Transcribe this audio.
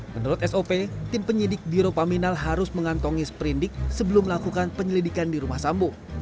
menurut sop tim penyidik biro paminal harus mengantongi sprindik sebelum melakukan penyelidikan di rumah sambu